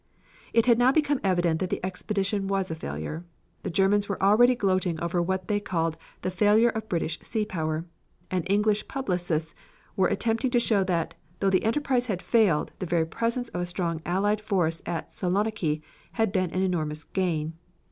It had now become evident that the expedition was a failure. The Germans were already gloating over what they called the "failure of British sea power," and English publicists were attempting to show that, though the enterprise had failed, the very presence of a strong Allied force at Saloniki had been an enormous gain.